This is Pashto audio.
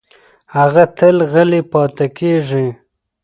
هغه تل غلې پاتې کېږي.